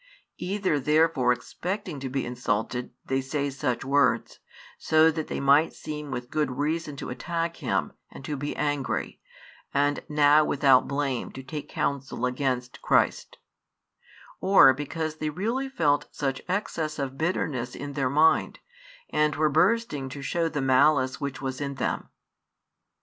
Either therefore expecting to be insulted they say such words, so that they |61 might seem with good reason to attack Him, and to be angry, and now without blame to take counsel against Christ; or because they really felt such excess of bitterness in their mind, and were bursting to show the malice which was in them.